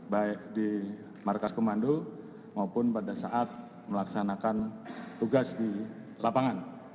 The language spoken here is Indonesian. baik di markas komando maupun pada saat melaksanakan tugas di lapangan